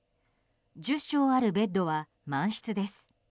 １０床あるベッドは満室です。